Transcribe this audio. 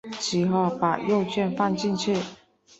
之后把肉馅放进去。